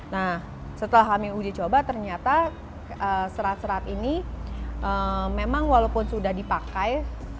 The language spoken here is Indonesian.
nah setelah kami uji coba ternyata serat serat ini memang walaupun sudah dipakai